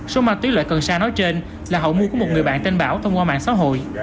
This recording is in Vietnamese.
số ma túy loại cần sa nói trên là hậu mua của một người bạn tên bảo thông qua mạng xã hội